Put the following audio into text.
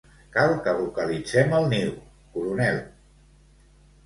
Cal que localitzem el niu, coronel.